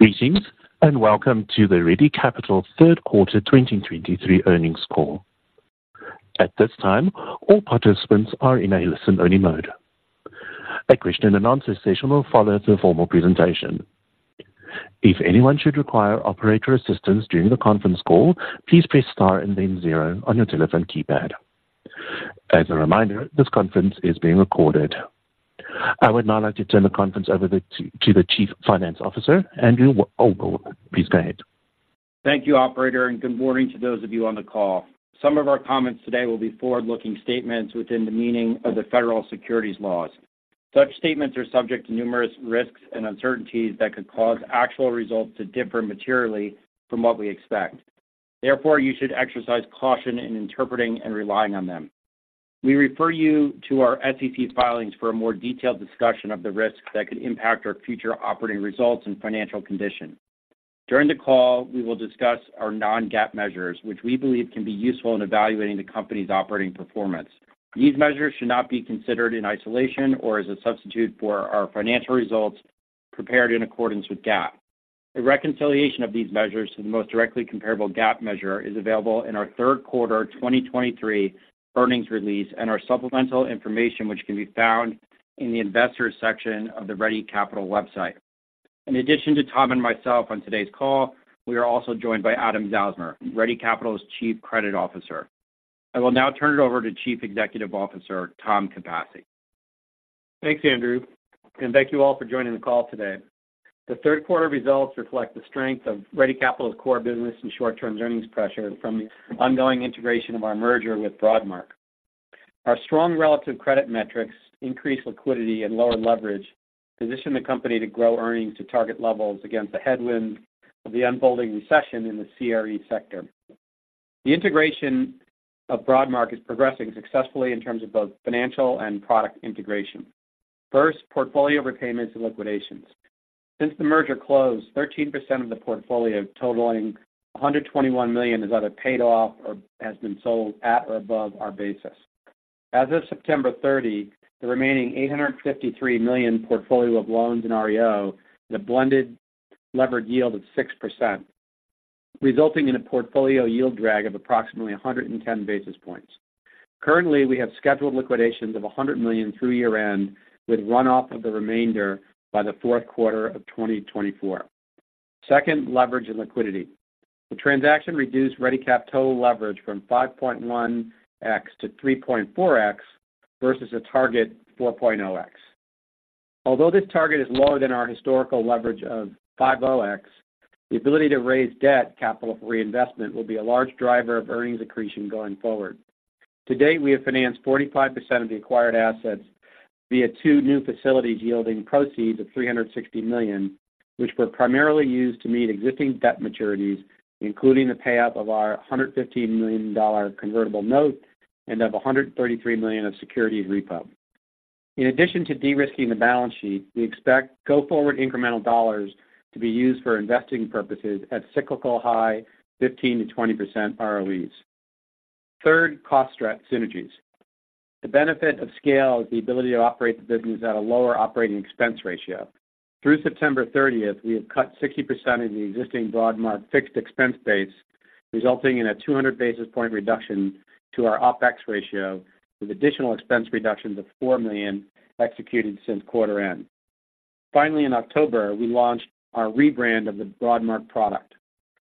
Greetings, and welcome to the Ready Capital third quarter 2023 earnings call. At this time, all participants are in a listen-only mode. A question-and-answer session will follow the formal presentation. If anyone should require operator assistance during the conference call, please press Star and then zero on your telephone keypad. As a reminder, this conference is being recorded. I would now like to turn the conference over to the Chief Financial Officer, Andrew Ahlborn. Please go ahead. Thank you, operator, and good morning to those of you on the call. Some of our comments today will be forward-looking statements within the meaning of the federal securities laws. Such statements are subject to numerous risks and uncertainties that could cause actual results to differ materially from what we expect. Therefore, you should exercise caution in interpreting and relying on them. We refer you to our SEC filings for a more detailed discussion of the risks that could impact our future operating results and financial condition. During the call, we will discuss our non-GAAP measures, which we believe can be useful in evaluating the company's operating performance. These measures should not be considered in isolation or as a substitute for our financial results prepared in accordance with GAAP. A reconciliation of these measures to the most directly comparable GAAP measure is available in our third quarter 2023 earnings release and our supplemental information, which can be found in the Investors section of the Ready Capital website. In addition to Tom and myself on today's call, we are also joined by Adam Zausmer, Ready Capital's Chief Credit Officer. I will now turn it over to Chief Executive Officer, Tom Capasse. Thanks, Andrew, and thank you all for joining the call today. The third quarter results reflect the strength of Ready Capital's core business and short-term earnings pressure from the ongoing integration of our merger with Broadmark. Our strong relative credit metrics, increased liquidity, and lower leverage position the company to grow earnings to target levels against the headwind of the unfolding recession in the CRE sector. The integration of Broadmark is progressing successfully in terms of both financial and product integration. First, portfolio repayments and liquidations. Since the merger closed, 13% of the portfolio, totaling $121 million, is either paid off or has been sold at or above our basis. As of September 30, the remaining $853 million portfolio of loans in REO is a blended levered yield of 6%, resulting in a portfolio yield drag of approximately 110 basis points. Currently, we have scheduled liquidations of $100 million through year-end, with run off of the remainder by the fourth quarter of 2024. Second, leverage and liquidity. The transaction reduced Ready Capital total leverage from 5.1x to 3.4x versus a target 4.0x. Although this target is lower than our historical leverage of 5.0x, the ability to raise debt capital for reinvestment will be a large driver of earnings accretion going forward. To date, we have financed 45% of the acquired assets via two new facilities yielding proceeds of $360 million, which were primarily used to meet existing debt maturities, including the payout of our $115 million convertible note and of $133 million of securities repo. In addition to de-risking the balance sheet, we expect go-forward incremental dollars to be used for investing purposes at cyclical high 15%-20% ROEs. Third, cost strat synergies. The benefit of scale is the ability to operate the business at a lower operating expense ratio. Through September thirtieth, we have cut 60% of the existing Broadmark fixed expense base, resulting in a 200 basis point reduction to our OpEx ratio, with additional expense reductions of $4 million executed since quarter end. Finally, in October, we launched our rebrand of the Broadmark product,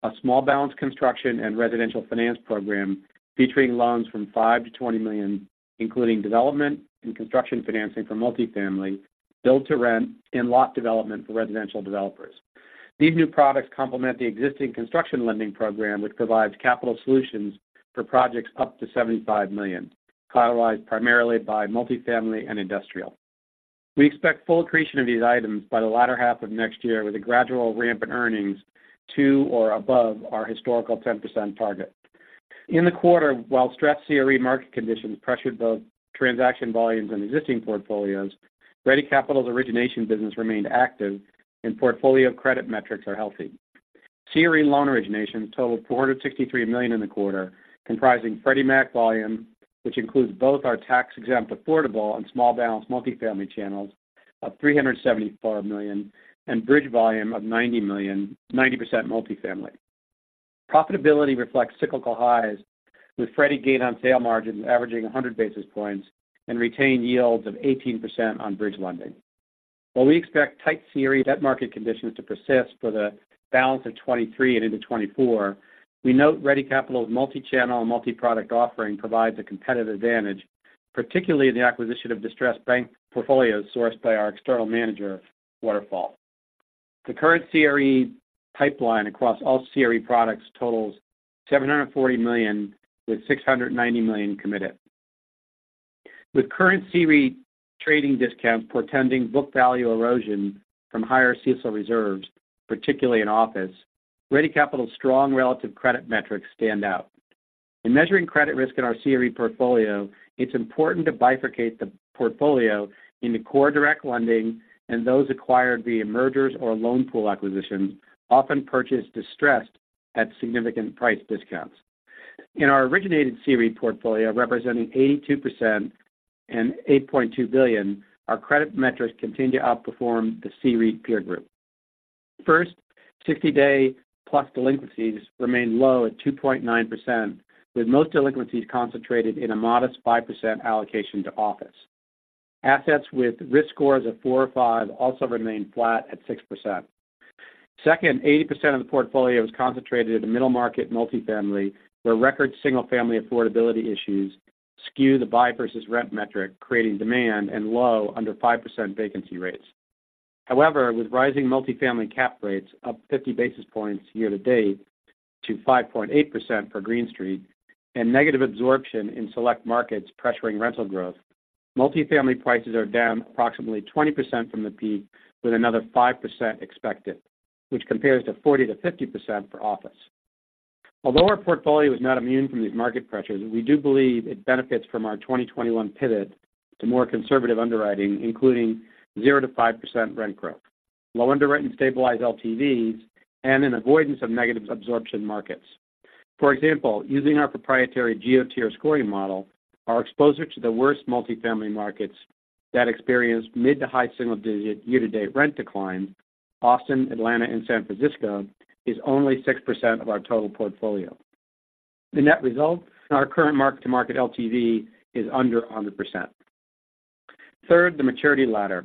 a small balance construction and residential finance program featuring loans from $5 million-$20 million, including development and construction financing for multifamily, Build-to-Rent, and lot development for residential developers. These new products complement the existing construction lending program, which provides capital solutions for projects up to $75 million, collateralized primarily by multifamily and industrial. We expect full accretion of these items by the latter half of next year, with a gradual ramp in earnings to or above our historical 10% target. In the quarter, while stressed CRE market conditions pressured both transaction volumes and existing portfolios, Ready Capital's origination business remained active and portfolio credit metrics are healthy. CRE loan originations totaled $463 million in the quarter, comprising Freddie Mac volume, which includes both our tax-exempt, affordable, and small balance multifamily channels of $374 million and bridge volume of $90 million, 90% multifamily. Profitability reflects cyclical highs, with Freddie gain on sale margins averaging 100 basis points and retained yields of 18% on bridge lending. While we expect tight CRE debt market conditions to persist for the balance of 2023 and into 2024, we note Ready Capital's multi-channel and multi-product offering provides a competitive advantage, particularly in the acquisition of distressed bank portfolios sourced by our external manager, Waterfall. The current CRE pipeline across all CRE products totals $740 million, with $690 million committed. With current CRE trading discounts portending book value erosion from higher CEC reserves, particularly in office, Ready Capital's strong relative credit metrics stand out. In measuring credit risk in our CRE portfolio, it's important to bifurcate the portfolio into core direct lending and those acquired via mergers or loan pool acquisitions, often purchased distressed at significant price discounts....In our originated CRE portfolio, representing 82% and $8.2 billion, our credit metrics continue to outperform the CRE peer group. First, 60-day-plus delinquencies remain low at 2.9%, with most delinquencies concentrated in a modest 5% allocation to office. Assets with risk scores of 4 or 5 also remain flat at 6%. Second, 80% of the portfolio is concentrated in the middle market multifamily, where record single-family affordability issues skew the buy versus rent metric, creating demand and low under 5% vacancy rates. However, with rising multifamily cap rates up 50 basis points year to date to 5.8% for Green Street and negative absorption in select markets pressuring rental growth, multifamily prices are down approximately 20% from the peak, with another 5% expected, which compares to 40%-50% for office. Although our portfolio is not immune from these market pressures, we do believe it benefits from our 2021 pivot to more conservative underwriting, including 0%-5% rent growth, low underwritten stabilized LTVs, and an avoidance of negative absorption markets. For example, using our proprietary GeoTier scoring model, our exposure to the worst multifamily markets that experience mid- to high-single-digit year-to-date rent decline, Austin, Atlanta, and San Francisco, is only 6% of our total portfolio. The net result, our current mark-to-market LTV is under 100%. Third, the maturity ladder.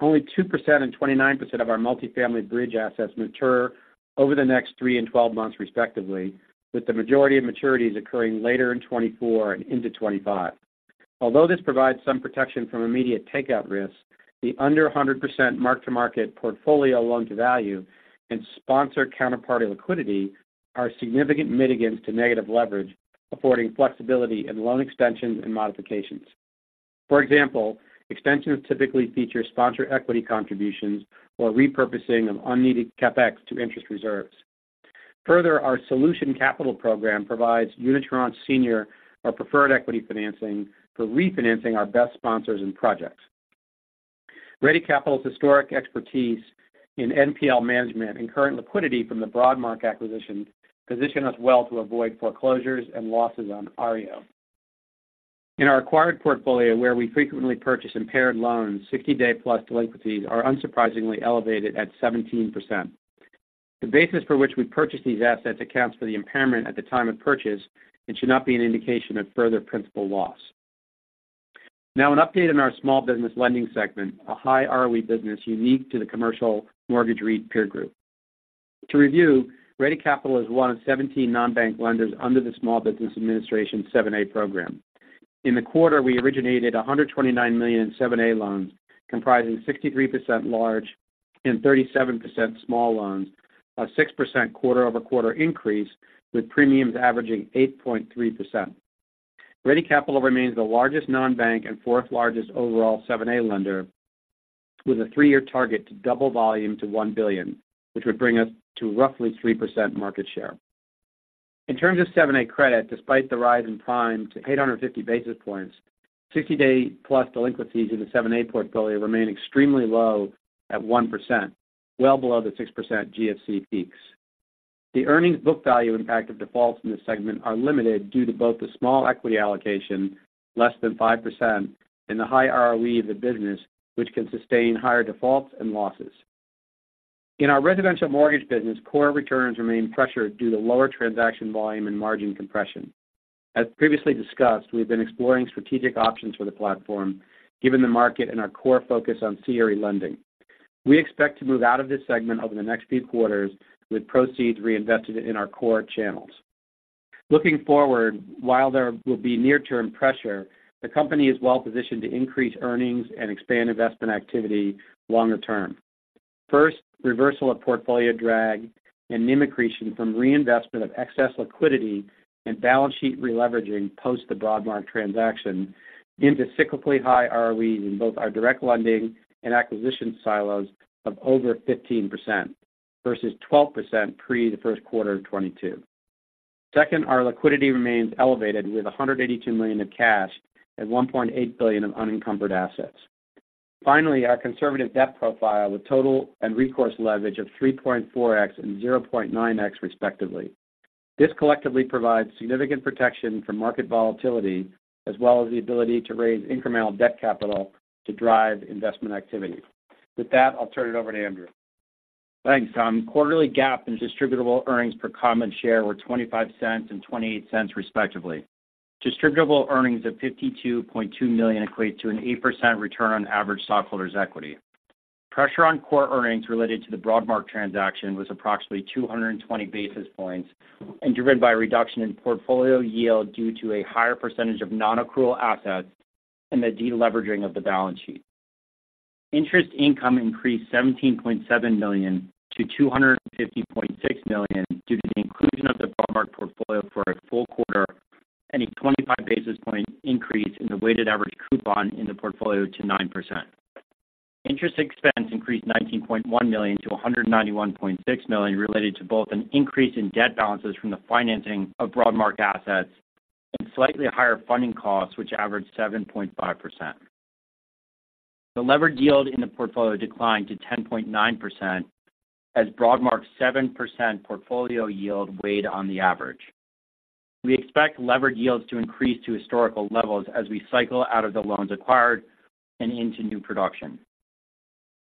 Only 2% and 29% of our multifamily bridge assets mature over the next 3 and 12 months, respectively, with the majority of maturities occurring later in 2024 and into 2025. Although this provides some protection from immediate takeout risks, the under 100% mark-to-market portfolio loan-to-value and sponsor counterparty liquidity are significant mitigants to negative leverage, affording flexibility in loan extensions and modifications. For example, extensions typically feature sponsor equity contributions or repurposing of unneeded CapEx to interest reserves. Further, our solution capital program provides unitranche senior or preferred equity financing for refinancing our best sponsors and projects. Ready Capital's historic expertise in NPL management and current liquidity from the Broadmark acquisition position us well to avoid foreclosures and losses on REO. In our acquired portfolio, where we frequently purchase impaired loans, 60-day-plus delinquencies are unsurprisingly elevated at 17%. The basis for which we purchase these assets accounts for the impairment at the time of purchase and should not be an indication of further principal loss. Now, an update on our small business lending segment, a high ROE business unique to the commercial mortgage REIT peer group. To review, Ready Capital is one of 17 non-bank lenders under the Small Business Administration 7(a) program. In the quarter, we originated $129 million in 7(a) loans, comprising 63% large and 37% small loans, a 6% quarter-over-quarter increase, with premiums averaging 8.3%. Ready Capital remains the largest non-bank and 4th largest overall 7(a) lender, with a 3-year target to double volume to $1 billion, which would bring us to roughly 3% market share. In terms of 7(a) credit, despite the rise in prime to 850 basis points, 60-day-plus delinquencies in the 7(a) portfolio remain extremely low at 1%, well below the 6% GFC peaks. The earnings book value impact of defaults in this segment are limited due to both the small equity allocation, less than 5%, and the high ROE of the business, which can sustain higher defaults and losses. In our residential mortgage business, core returns remain pressured due to lower transaction volume and margin compression. As previously discussed, we've been exploring strategic options for the platform, given the market and our core focus on CRE lending. We expect to move out of this segment over the next few quarters, with proceeds reinvested in our core channels. Looking forward, while there will be near-term pressure, the company is well-positioned to increase earnings and expand investment activity longer term. First, reversal of portfolio drag and NIM accretion from reinvestment of excess liquidity and balance sheet releveraging post the Broadmark transaction into cyclically high ROEs in both our direct lending and acquisition silos of over 15% versus 12% pre the first quarter of 2022. Second, our liquidity remains elevated, with $182 million in cash and $1.8 billion of unencumbered assets. Finally, our conservative debt profile, with total and recourse leverage of 3.4x and 0.9x, respectively. This collectively provides significant protection from market volatility, as well as the ability to raise incremental debt capital to drive investment activity. With that, I'll turn it over to Andrew. Thanks, Tom. Quarterly GAAP and distributable earnings per common share were $0.25 and $0.28, respectively. Distributable earnings of $52.2 million equates to an 8% return on average stockholders' equity. Pressure on core earnings related to the Broadmark transaction was approximately 220 basis points and driven by a reduction in portfolio yield due to a higher percentage of non-accrual assets and the deleveraging of the balance sheet. Interest income increased $17.7 million to $250.6 million due to the inclusion of the Broadmark portfolio for a full quarter and a 25 basis points increase in the weighted average coupon in the portfolio to 9%. Interest expense increased $19.1 million to $191.6 million, related to both an increase in debt balances from the financing of Broadmark assets and slightly higher funding costs, which averaged 7.5%....The levered yield in the portfolio declined to 10.9% as Broadmark's 7% portfolio yield weighed on the average. We expect levered yields to increase to historical levels as we cycle out of the loans acquired and into new production.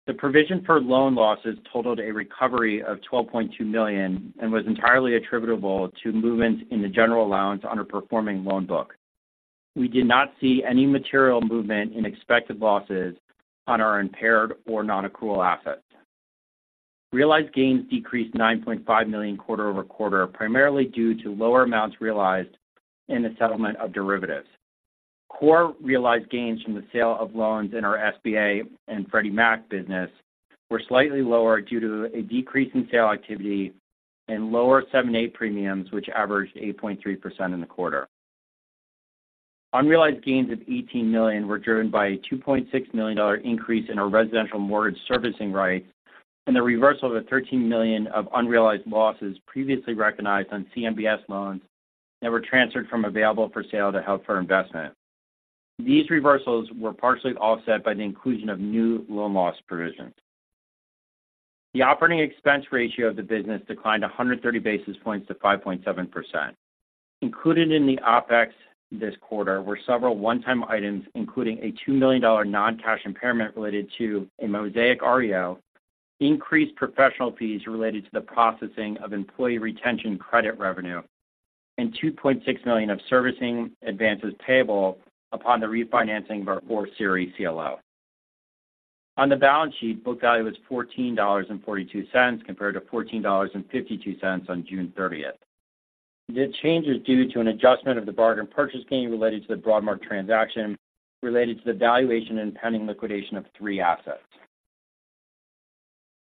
The provision for loan losses totaled a recovery of $12.2 million and was entirely attributable to movements in the general allowance on a performing loan book. We did not see any material movement in expected losses on our impaired or nonaccrual assets. Realized gains decreased $9.5 million quarter-over-quarter, primarily due to lower amounts realized in the settlement of derivatives. Core realized gains from the sale of loans in our SBA and Freddie Mac business were slightly lower due to a decrease in sale activity and lower 7(a) premiums, which averaged 8.3% in the quarter. Unrealized gains of $18 million were driven by a $2.6 million increase in our residential mortgage servicing rights and the reversal of the $13 million of unrealized losses previously recognized on CMBS loans that were transferred from available for sale to held for investment. These reversals were partially offset by the inclusion of new loan loss provisions. The operating expense ratio of the business declined 130 basis points to 5.7%. Included in the OpEx this quarter were several one-time items, including a $2 million non-cash impairment related to a Mosaic REO, increased professional fees related to the processing of employee retention credit revenue, and $2.6 million of servicing advances payable upon the refinancing of our four series CLO. On the balance sheet, book value is $14.42, compared to $14.52 on June 30. The change is due to an adjustment of the bargain purchase gain related to the Broadmark transaction related to the valuation and pending liquidation of three assets.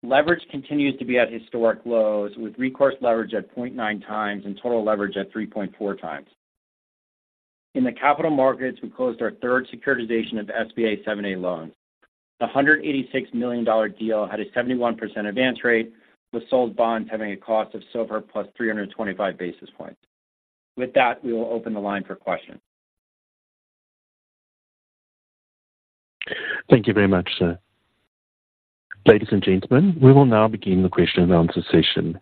Leverage continues to be at historic lows, with recourse leverage at 0.9 times and total leverage at 3.4 times. In the capital markets, we closed our third securitization of SBA 7(a) loans. A $186 million deal had a 71% advance rate, with sold bonds having a cost of SOFR plus 325 basis points. With that, we will open the line for questions. Thank you very much, sir. Ladies and gentlemen, we will now begin the question and answer session.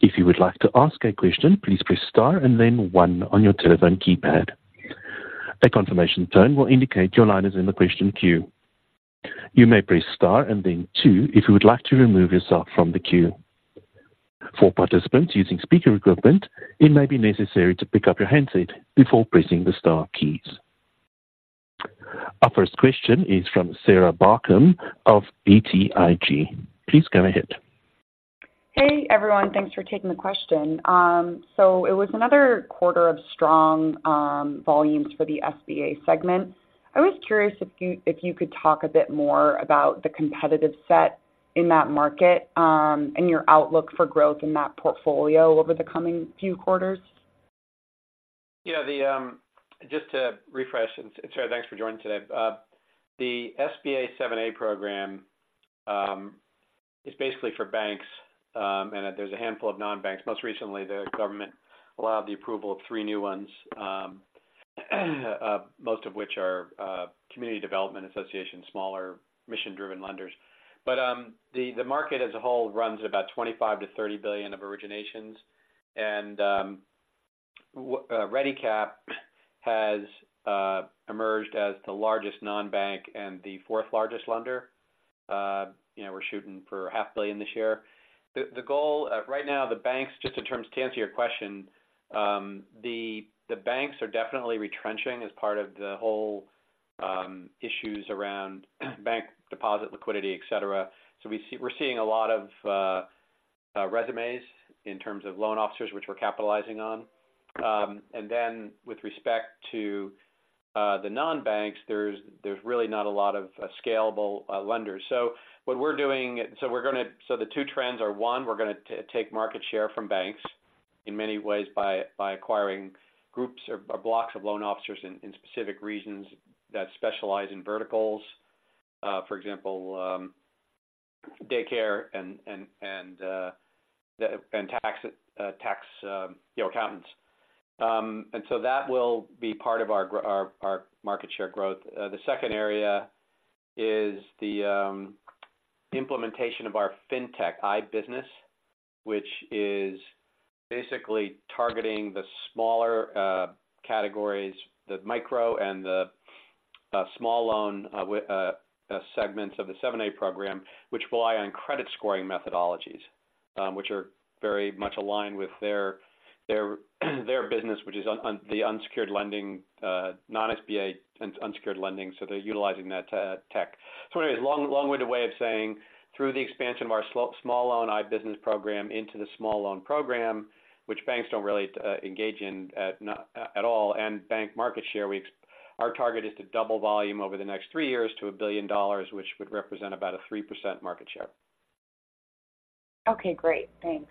If you would like to ask a question, please press star and then one on your telephone keypad. A confirmation tone will indicate your line is in the question queue. You may press star and then two if you would like to remove yourself from the queue. For participants using speaker equipment, it may be necessary to pick up your handset before pressing the star keys. Our first question is from Sarah Barcomb of BTIG. Please go ahead. Hey, everyone. Thanks for taking the question. So it was another quarter of strong volumes for the SBA segment. I was curious if you, if you could talk a bit more about the competitive set in that market, and your outlook for growth in that portfolio over the coming few quarters. Yeah, just to refresh, and Sarah, thanks for joining today. The SBA 7(a) program is basically for banks, and there's a handful of non-banks. Most recently, the government allowed the approval of 3 new ones, most of which are community development associations, smaller mission-driven lenders. But the market as a whole runs about $25-$30 billion of originations, and ReadyCap has emerged as the largest non-bank and the fourth largest lender. You know, we're shooting for $500 million this year. The goal right now, the banks, just in terms to answer your question, the banks are definitely retrenching as part of the whole issues around bank deposit liquidity, et cetera. So we're seeing a lot of resumes in terms of loan officers, which we're capitalizing on. And then with respect to the non-banks, there's really not a lot of scalable lenders. So what we're doing, so we're going to, so the two trends are, one, we're going to take market share from banks in many ways by acquiring groups or blocks of loan officers in specific regions that specialize in verticals, for example, daycare and tax, you know, accountants. And so that will be part of our our market share growth. The second area is the implementation of our Fintech iBusiness, which is basically targeting the smaller categories, the micro and the small loan segments of the 7(a) program, which rely on credit scoring methodologies, which are very much aligned with their business, which is on the unsecured lending, non-SBA unsecured lending. So they're utilizing that tech. So anyways, long-winded way of saying, through the expansion of our small loan iBusiness program into the small loan program, which banks don't really engage in, not at all, and bank market share, our target is to double volume over the next 3 years to $1 billion, which would represent about a 3% market share. Okay, great. Thanks.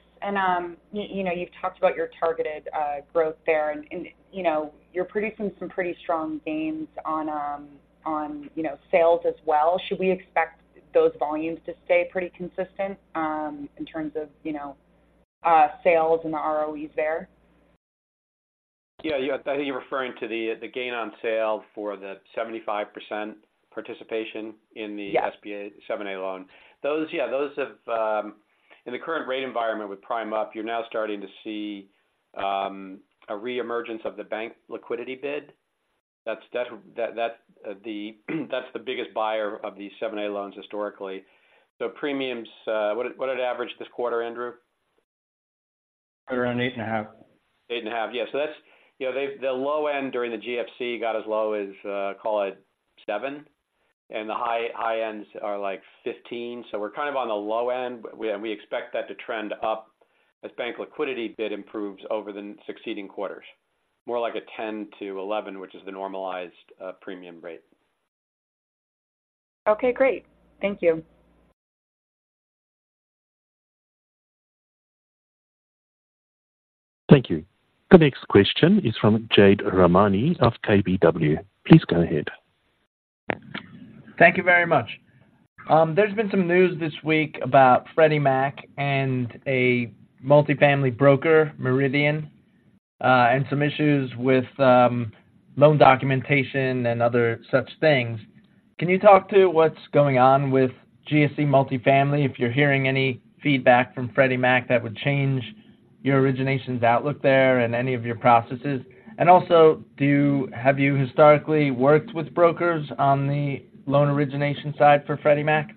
You know, you've talked about your targeted growth there, and you know, you're producing some pretty strong gains on you know sales as well. Should we expect those volumes to stay pretty consistent in terms of you know sales and the ROEs there?... Yeah, yeah, I think you're referring to the, the gain on sale for the 75% participation in the- Yeah. SBA 7(a) loan. Those, yeah, those have, in the current rate environment with prime up, you're now starting to see, a reemergence of the bank liquidity bid. That's the biggest buyer of these 7(a) loans historically. So premiums, what did it average this quarter, Andrew? Around 8.5. 8.5. Yeah. So that's, you know, they've—the low end during the GFC got as low as, call it 7, and the high, high ends are like 15. So we're kind of on the low end, but we, and we expect that to trend up as bank liquidity bid improves over the succeeding quarters. More like a 10-11, which is the normalized, premium rate. Okay, great. Thank you. Thank you. The next question is from Jade Rahmani of KBW. Please go ahead. Thank you very much. There's been some news this week about Freddie Mac and a multifamily broker, Meridian, and some issues with loan documentation and other such things. Can you talk to what's going on with GSE Multifamily? If you're hearing any feedback from Freddie Mac, that would change your originations outlook there and any of your processes. And also, have you historically worked with brokers on the loan origination side for Freddie Mac?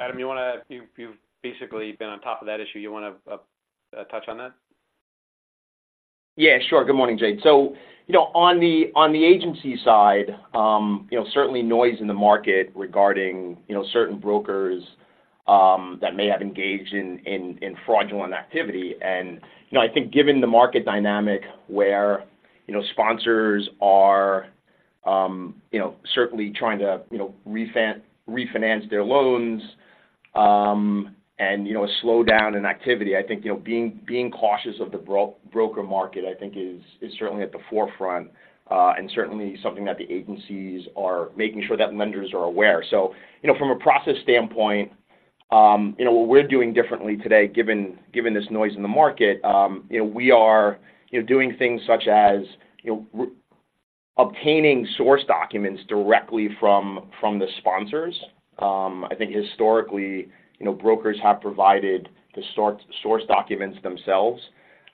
Adam, you want to... You've, you've basically been on top of that issue. You want to, touch on that? Yeah, sure. Good morning, Jade. So, you know, on the agency side, you know, certainly noise in the market regarding, you know, certain brokers that may have engaged in fraudulent activity. And, you know, I think given the market dynamic where, you know, sponsors are, you know, certainly trying to, you know, refinance their loans, and, you know, a slowdown in activity, I think, you know, being cautious of the broker market, I think is certainly at the forefront, and certainly something that the agencies are making sure that lenders are aware. So, you know, from a process standpoint, you know, what we're doing differently today, given this noise in the market, you know, we are, you know, doing things such as, you know, obtaining source documents directly from the sponsors. I think historically, you know, brokers have provided the source documents themselves.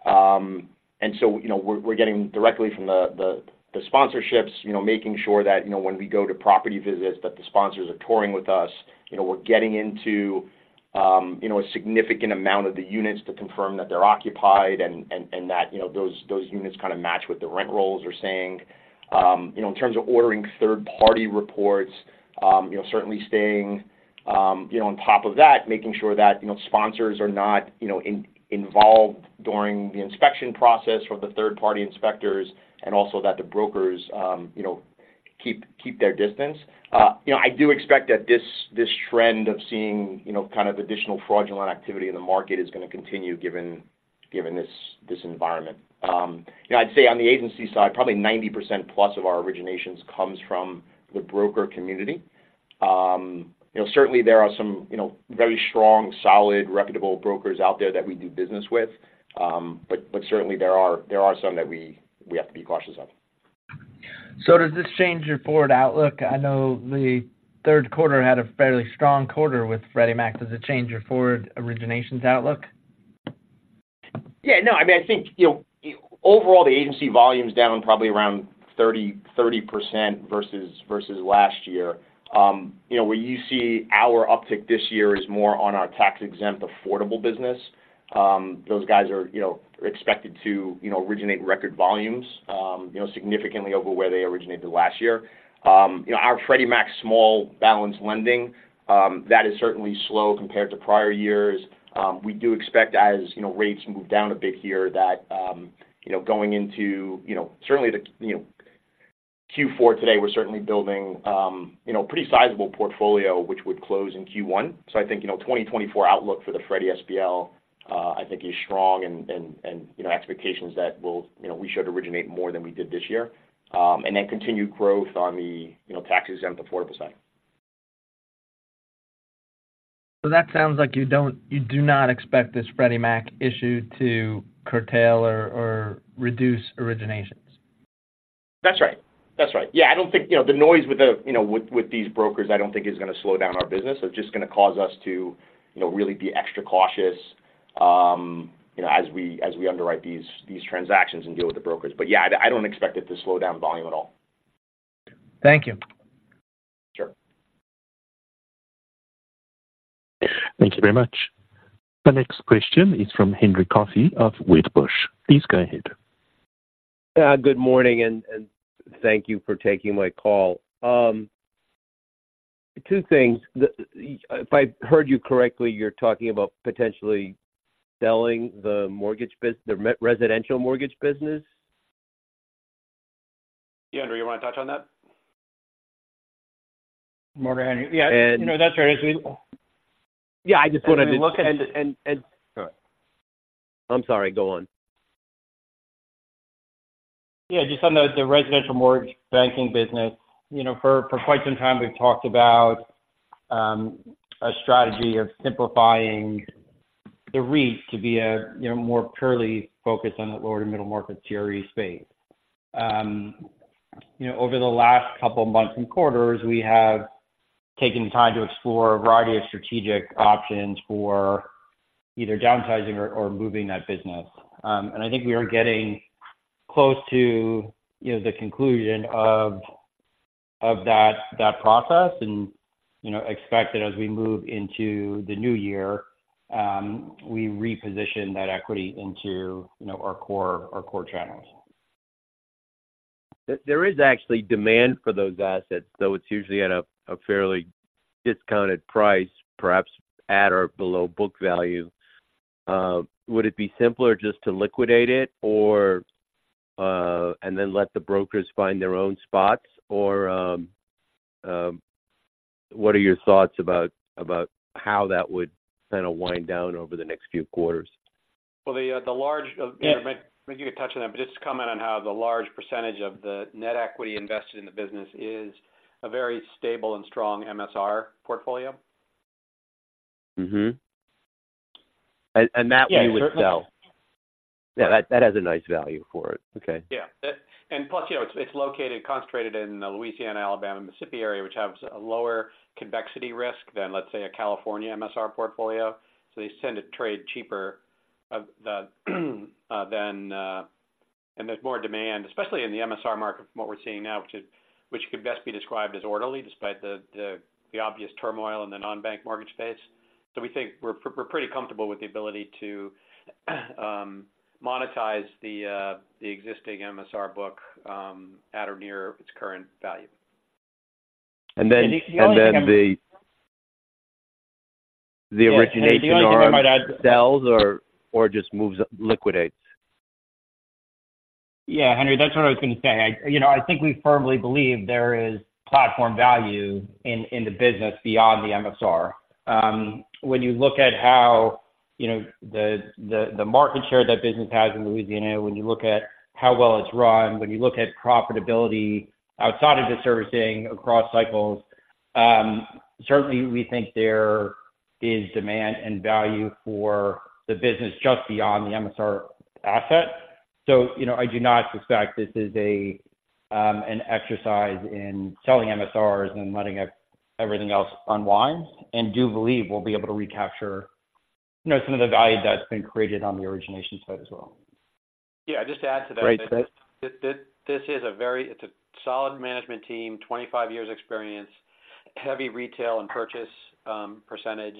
And so, you know, we're getting directly from the sponsorships, you know, making sure that, you know, when we go to property visits, that the sponsors are touring with us. You know, we're getting into, you know, a significant amount of the units to confirm that they're occupied and that, you know, those units kind of match what the rent rolls are saying. You know, in terms of ordering third-party reports, you know, certainly staying, you know, on top of that, making sure that, you know, sponsors are not, you know, involved during the inspection process or the third-party inspectors, and also that the brokers, you know, keep their distance. You know, I do expect that this trend of seeing, you know, kind of additional fraudulent activity in the market is going to continue given this environment. You know, I'd say on the agency side, probably 90% plus of our originations comes from the broker community. You know, certainly there are some, you know, very strong, solid, reputable brokers out there that we do business with. But certainly there are some that we have to be cautious of. Does this change your forward outlook? I know the third quarter had a fairly strong quarter with Freddie Mac. Does it change your forward originations outlook? Yeah, no, I mean, I think, you know, overall, the agency volume is down probably around 30-30% versus last year. You know, where you see our uptick this year is more on our tax-exempt, affordable business. Those guys are, you know, expected to, you know, originate record volumes, you know, significantly over where they originated last year. You know, our Freddie Mac small balance lending, that is certainly slow compared to prior years. We do expect, as you know, rates move down a bit here, that, you know, going into, you know, certainly the, you know, Q4 today, we're certainly building, you know, pretty sizable portfolio, which would close in Q1. So I think, you know, 2024 outlook for the Freddie SBL, I think is strong and, and, you know, expectations that we'll... You know, we should originate more than we did this year. And then continued growth on the, you know, tax-exempt, affordable side. So that sounds like you don't, you do not expect this Freddie Mac issue to curtail or reduce originations. That's right. That's right. Yeah, I don't think, you know, the noise with the, you know, with, with these brokers, I don't think is going to slow down our business. It's just going to cause us to, you know, really be extra cautious, you know, as we, as we underwrite these, these transactions and deal with the brokers. But yeah, I don't expect it to slow down volume at all. Thank you. Sure. Thank you very much. The next question is from Henry Coffey of Wedbush. Please go ahead. Good morning, and thank you for taking my call. Two things. If I heard you correctly, you're talking about potentially selling the residential mortgage business? Yeah, Andrew, you want to touch on that? Mortgage. Yeah. And you know, that's right. Yeah, I just wanted to look at. And... Go ahead. I'm sorry. Go on.... Yeah, just on the residential mortgage banking business. You know, for quite some time, we've talked about a strategy of simplifying the REIT to be a, you know, more purely focused on the lower to middle market CRE space. You know, over the last couple of months and quarters, we have taken time to explore a variety of strategic options for either downsizing or moving that business. And I think we are getting close to, you know, the conclusion of that process and, you know, expect that as we move into the new year, we reposition that equity into, you know, our core channels. There is actually demand for those assets, though it's usually at a fairly discounted price, perhaps at or below book value. Would it be simpler just to liquidate it or, and then let the brokers find their own spots? Or, what are your thoughts about how that would kind of wind down over the next few quarters? Well, the large of- Yeah. Nick, you can touch on that, but just to comment on how the large percentage of the net equity invested in the business is a very stable and strong MSR portfolio. Mm-hmm. And that you would sell? Yeah, certainly. Yeah, that has a nice value for it. Okay. Yeah. And plus, you know, it's located, concentrated in the Louisiana, Alabama, Mississippi area, which has a lower convexity risk than, let's say, a California MSR portfolio. So they tend to trade cheaper than. And there's more demand, especially in the MSR market, from what we're seeing now, which could best be described as orderly, despite the obvious turmoil in the non-bank mortgage space. So we think we're pretty comfortable with the ability to monetize the existing MSR book at or near its current value. And then- The only thing- And then the origination are- Yeah, and the only thing I might add- sells or just moves, liquidates. Yeah, Henry, that's what I was going to say. I, you know, I think we firmly believe there is platform value in the business beyond the MSR. When you look at how, you know, the market share that business has in Louisiana, when you look at how well it's run, when you look at profitability outside of the servicing across cycles, certainly, we think there is demand and value for the business just beyond the MSR asset. So, you know, I do not suspect this is an exercise in selling MSRs and letting everything else unwind. And do believe we'll be able to recapture, you know, some of the value that's been created on the origination side as well. Yeah, just to add to that. Great. This is a very, it's a solid management team, 25 years experience, heavy retail and purchase percentage.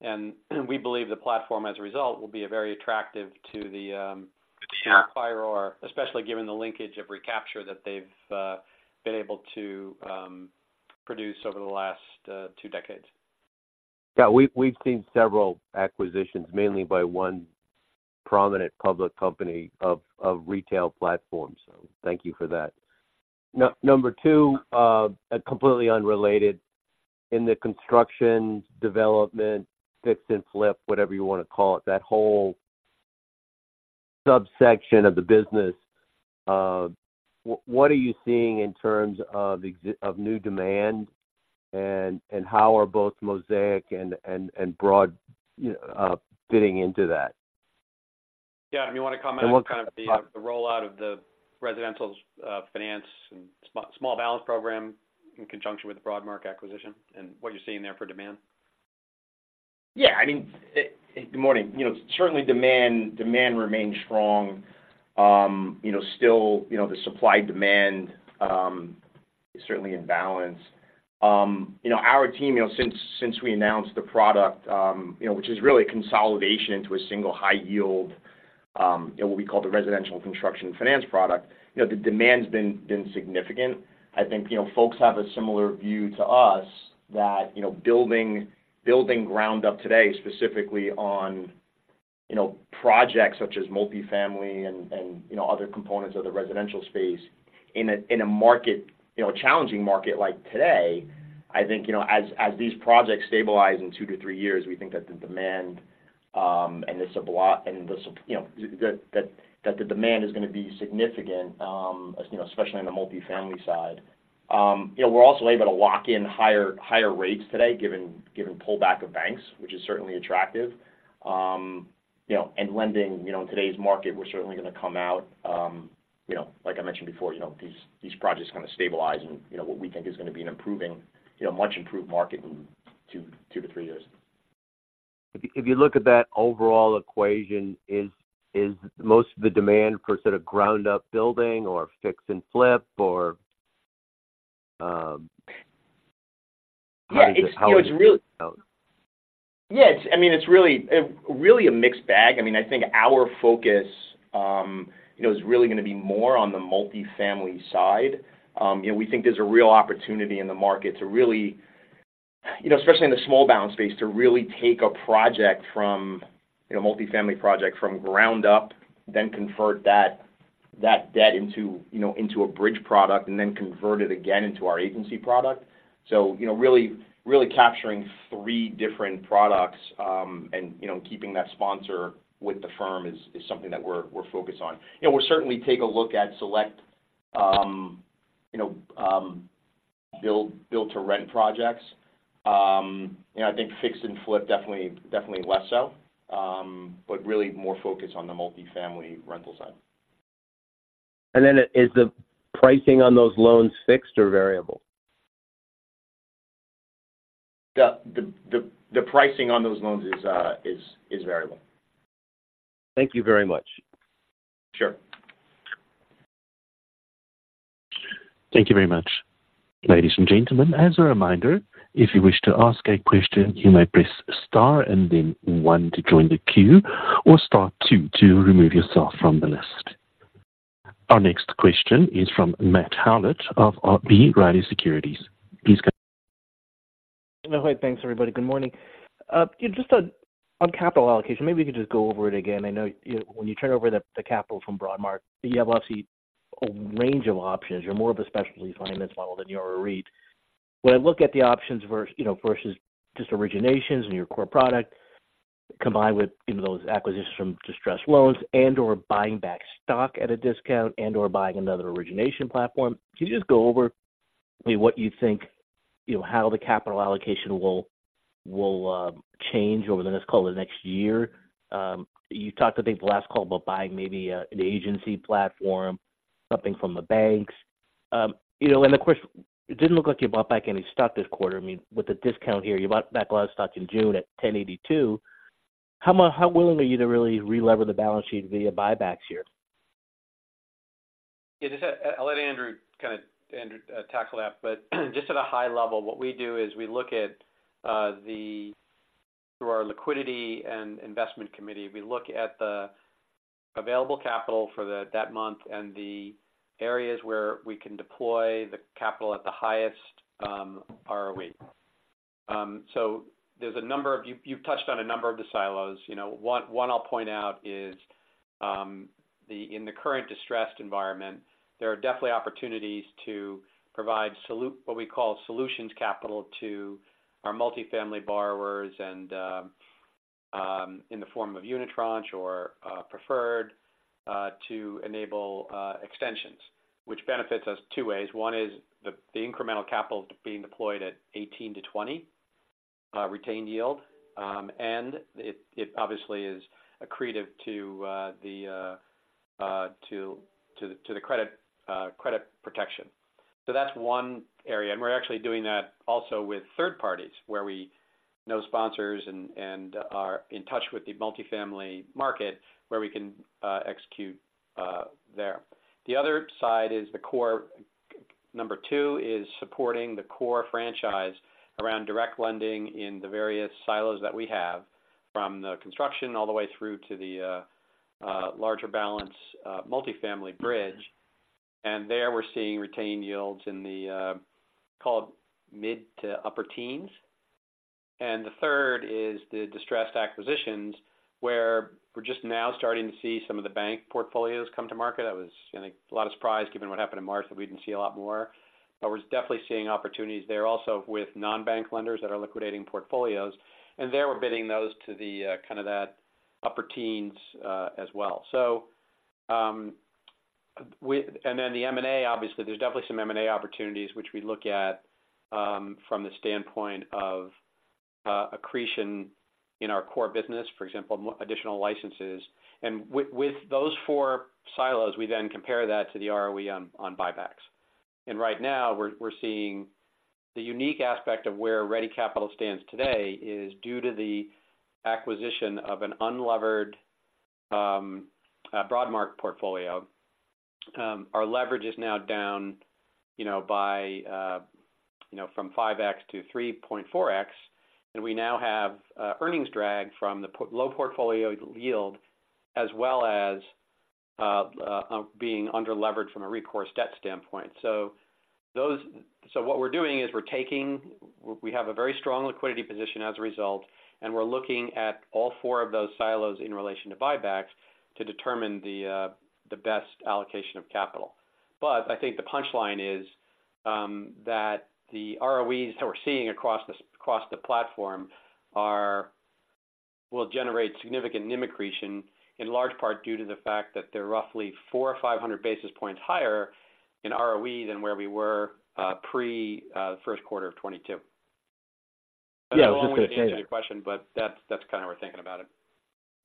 And we believe the platform, as a result, will be very attractive to the, Yeah... acquirer, especially given the linkage of recapture that they've been able to produce over the last two decades. Yeah, we've seen several acquisitions, mainly by one prominent public company of retail platforms, so thank you for that. Number two, completely unrelated. In the construction, development, fix and flip, whatever you want to call it, that whole subsection of the business, what are you seeing in terms of existing of new demand, and how are both Mosaic and Broad fitting into that? Yeah, you want to comment- And what kind of- - the rollout of the residential, finance and small balance program in conjunction with the Broadmark acquisition and what you're seeing there for demand? Yeah, I mean, good morning. You know, certainly demand remains strong. You know, still, you know, the supply-demand is certainly in balance. You know, our team, you know, since we announced the product, you know, which is really a consolidation into a single high yield, what we call the residential construction finance product, you know, the demand's been significant. I think, you know, folks have a similar view to us that, you know, building ground up today, specifically on, you know, projects such as multifamily and, you know, other components of the residential space in a, in a market, you know, a challenging market like today, I think, you know, as these projects stabilize in 2-3 years, we think that the demand, you know, that the demand is going to be significant, you know, especially on the multifamily side. You know, we're also able to lock in higher rates today, given pullback of banks, which is certainly attractive. You know, and lending, you know, in today's market, we're certainly going to come out, you know, like I mentioned before, you know, these, these projects kind of stabilize and, you know, what we think is going to be an improving, you know, much improved market in 2-3 years. If you look at that overall equation, is most of the demand for sort of ground up building or fix and flip or, how is it- Yeah, it's, you know, it's really- -how Yes, I mean, it's really really a mixed bag. I mean, I think our focus, you know, is really going to be more on the multifamily side. You know, we think there's a real opportunity in the market to really, you know, especially in the small balance space, to really take a project from, you know, a multifamily project from ground up, then convert that debt into, you know, into a bridge product, and then convert it again into our agency product. So, you know, really, really capturing three different products, and, you know, keeping that sponsor with the firm is something that we're focused on. You know, we'll certainly take a look at select, you know, build-to-rent projects. You know, I think fix and flip definitely, definitely less so. But really more focused on the multifamily rental side. Is the pricing on those loans fixed or variable? The pricing on those loans is variable. Thank you very much. Sure. Thank you very much. Ladies and gentlemen, as a reminder, if you wish to ask a question, you may press star and then one to join the queue, or star two to remove yourself from the list. Our next question is from Matt Howlett of B. Riley Securities. Please go- Hi. Thanks, everybody. Good morning. Just on capital allocation, maybe you could just go over it again. I know, you know, when you turn over the capital from Broadmark, you have obviously a range of options. You're more of a specialty finance model than you are a REIT. When I look at the options, you know, versus just originations and your core product, combined with, you know, those acquisitions from distressed loans and/or buying back stock at a discount and/or buying another origination platform, can you just go over what you think, you know, how the capital allocation will change over the next, call it, next year? You talked, I think, the last call about buying maybe an agency platform, something from the banks. You know, and of course, it didn't look like you bought back any stock this quarter. I mean, with the discount here, you bought back a lot of stock in June at $10.82. How willing are you to really relever the balance sheet via buybacks here? Yeah, just I'll let Andrew kind of, Andrew, tackle that. But just at a high level, what we do is we look at the. Through our liquidity and investment committee, we look at the available capital for that month and the areas where we can deploy the capital at the highest ROE. So there's a number of. You've touched on a number of the silos. You know, one I'll point out is the in the current distressed environment, there are definitely opportunities to provide what we call solutions capital to our multifamily borrowers and in the form of unitranche or preferred to enable extensions, which benefits us two ways. One is the incremental capital being deployed at 18-20 retained yield. And it obviously is accretive to the credit protection. So that's one area, and we're actually doing that also with third parties, where we know sponsors and are in touch with the multifamily market, where we can execute there. The other side is the core. Number 2 is supporting the core franchise around direct lending in the various silos that we have, from the construction all the way through to the larger balance multifamily bridge. And there we're seeing retained yields in the call it mid to upper teens. And the third is the distressed acquisitions, where we're just now starting to see some of the bank portfolios come to market. That was, I think, a lot of surprise, given what happened in March, that we didn't see a lot more. But we're definitely seeing opportunities there also with non-bank lenders that are liquidating portfolios, and there we're bidding those to the kind of that upper teens as well. And then the M&A, obviously, there's definitely some M&A opportunities which we look at from the standpoint of accretion in our core business, for example, additional licenses. And with those four silos, we then compare that to the ROE on buybacks. And right now we're seeing the unique aspect of where Ready Capital stands today is due to the acquisition of an unlevered Broadmark portfolio. Our leverage is now down, you know, by, you know, from 5x to 3.4x, and we now have earnings drag from the low portfolio yield, as well as being underleveraged from a recourse debt standpoint. So what we're doing is we're taking... We have a very strong liquidity position as a result, and we're looking at all four of those silos in relation to buybacks to determine the best allocation of capital. But I think the punchline is that the ROEs that we're seeing across the platform will generate significant NIM accretion, in large part due to the fact that they're roughly 400 or 500 basis points higher in ROE than where we were pre first quarter of 2022. Yeah, I was only- To answer your question, but that's kind of we're thinking about it.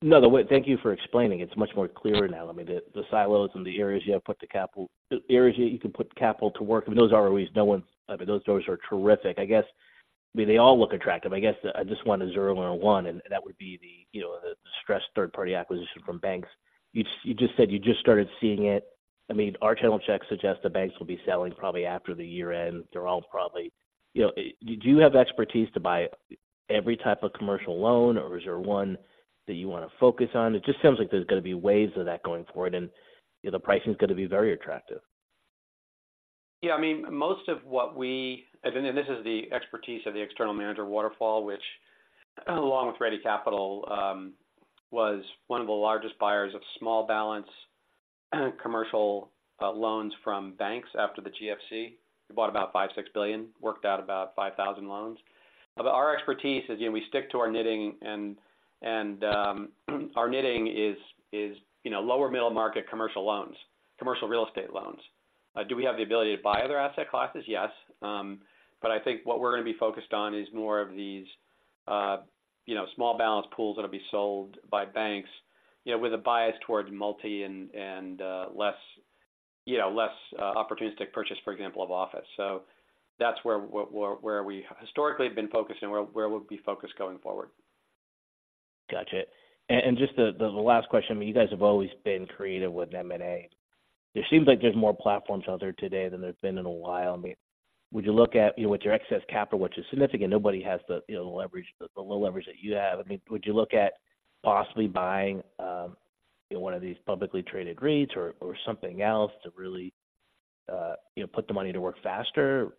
No, thank you for explaining. It's much more clear now. I mean, the, the silos and the areas you have put the capital, the areas that you can put capital to work, I mean, those ROEs, no one's- I mean, those numbers are terrific. I guess, I mean, they all look attractive. I guess I just want to zero in on one, and that would be the, you know, the distressed third-party acquisition from banks. You just, you just said you just started seeing it. I mean, our channel checks suggest the banks will be selling probably after the year-end. They're all probably... You know, do you have expertise to buy every type of commercial loan, or is there one that you want to focus on? It just seems like there's going to be waves of that going forward, and, you know, the pricing is going to be very attractive. Yeah, I mean, most of what we and this is the expertise of the external manager, Waterfall, which along with Ready Capital, was one of the largest buyers of small balance commercial loans from banks after the GFC. We bought about $5-$6 billion, worked out about 5,000 loans. But our expertise is, you know, we stick to our knitting, and our knitting is, you know, lower middle-market commercial loans, commercial real estate loans. Do we have the ability to buy other asset classes? Yes. But I think what we're going to be focused on is more of these. You know, small balance pools that'll be sold by banks, you know, with a bias towards multi and less opportunistic purchase, for example, of office. So that's where we historically have been focused and where we'll be focused going forward. Gotcha. And just the last question. You guys have always been creative with M&A. It seems like there's more platforms out there today than there's been in a while. I mean, would you look at, you know, with your excess capital, which is significant, nobody has the, you know, leverage, the low leverage that you have. I mean, would you look at possibly buying, you know, one of these publicly traded REITs or, or something else to really, you know, put the money to work faster?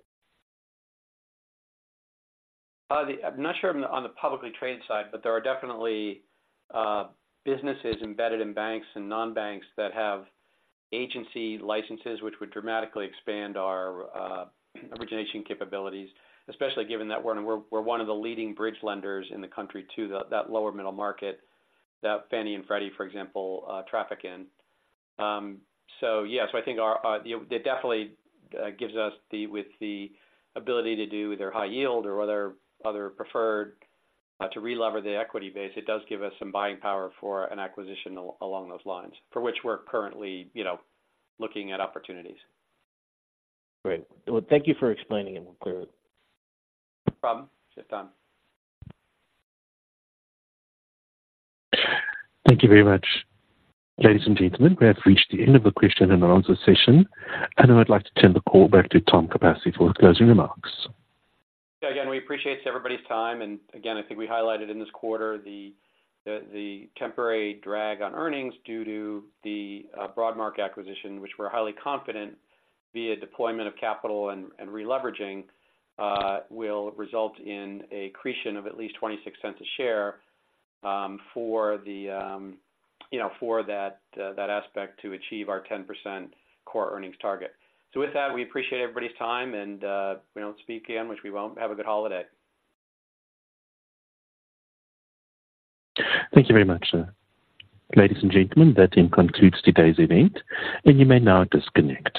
I'm not sure on the publicly traded side, but there are definitely businesses embedded in banks and non-banks that have agency licenses, which would dramatically expand our origination capabilities, especially given that we're one of the leading bridge lenders in the country to the lower middle market, that Fannie and Freddie, for example, traffic in. So yes, I think it definitely gives us the with the ability to do either high yield or other preferred to relever the equity base. It does give us some buying power for an acquisition along those lines, for which we're currently, you know, looking at opportunities. Great. Well, thank you for explaining it more clearly. No problem. Sure thing. Thank you very much. Ladies and gentlemen, we have reached the end of the question and answer session, and I'd like to turn the call back to Tom Capasse for closing remarks. Again, we appreciate everybody's time. And again, I think we highlighted in this quarter the temporary drag on earnings due to the Broadmark acquisition, which we're highly confident, via deployment of capital and releveraging, will result in accretion of at least $0.26 per share, you know, for that aspect to achieve our 10% core earnings target. So with that, we appreciate everybody's time, and we don't speak again, which we won't. Have a good holiday. Thank you very much, sir. Ladies and gentlemen, that then concludes today's event, and you may now disconnect.